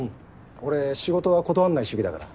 俺仕事は断んない主義だから。